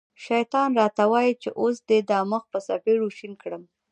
شیطان را ته وايي چې اوس دې دا مخ په څپېړو شین کړم.